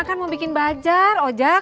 mak kan mau bikin bajar ojak